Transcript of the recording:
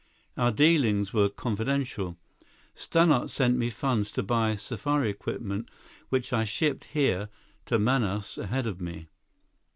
Our dealings were confidential. Stannart sent me funds to buy safari equipment which I shipped here to Manaus ahead of me."